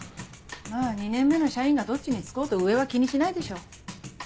まぁ２年目の社員がどっちにつこうと上は気にしないでしょ。